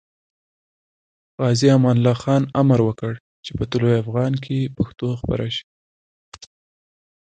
غازي امان الله خان امر وکړ چې په طلوع افغان کې پښتو خپاره شي.